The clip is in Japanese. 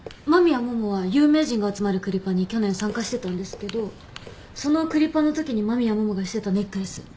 真宮桃は有名人が集まるクリパに去年参加してたんですけどそのクリパのときに真宮桃がしてたネックレス。